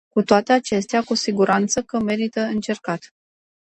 Cu toate acestea, cu siguranță că merită încercat.